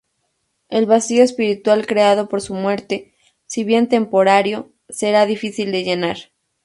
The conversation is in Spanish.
El vacío espiritual creado por su muerte, si bien temporario, será difícil de llenar.